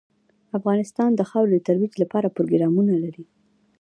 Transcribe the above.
افغانستان د خاوره د ترویج لپاره پروګرامونه لري.